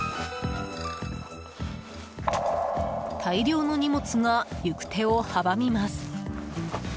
大量の荷物が行く手を阻みます。